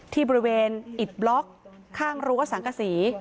ที่บริเวณอิดบล็อกข้างรั้วสังกษี